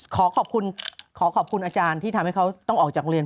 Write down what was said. ขอขอบคุณขอขอบคุณอาจารย์ที่ทำให้เขาต้องออกจากโรงเรียน